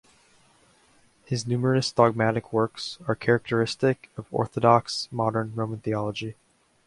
His numerous dogmatic works are characteristic of orthodox modern Roman theology.